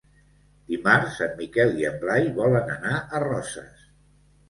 Dimarts en Miquel i en Blai volen anar a Roses.